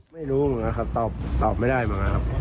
ไม่รู้เหมือนกันครับตอบไม่ได้เหมือนกันครับ